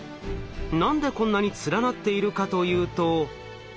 何でこんなに連なっているかというと。